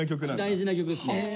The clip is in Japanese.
大事な曲ですね。